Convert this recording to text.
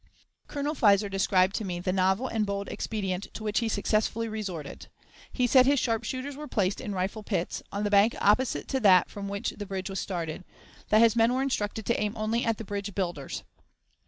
Colonel Fizer described to me the novel and bold expedient to which he successfully resorted. He said his sharpshooters were placed in rifle pits, on the bank opposite to that from which the bridge was started; that his men were instructed to aim only at the bridge builders.